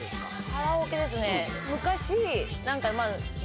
カラオケですね